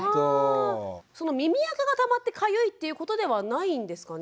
その耳あかがたまってかゆいっていうことではないんですかね？